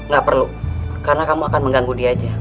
gak perlu karena kamu akan mengganggu dia aja